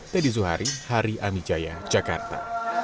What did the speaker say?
teddy zuhari hari amijaya jakarta